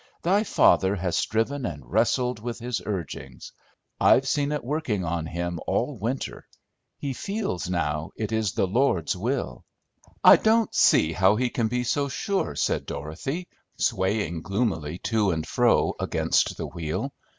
Thy father has striven and wrestled with his urgings. I've seen it working on him all winter. He feels, now, it is the Lord's will." "I don't see how he can be so sure," said Dorothy, swaying gloomily to and fro against the wheel.